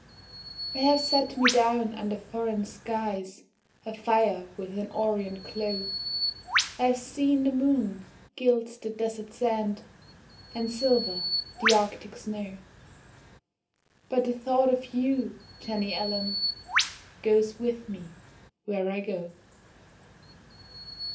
I have sat me down under foreign skies Afire with an Orient glow; I have seen the moon gild the desert sand, And silver the Arctic snow, But the thought of you Jenny Allen, Goes with me where I go.